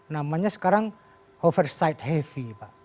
namanya sekarang overside heavy pak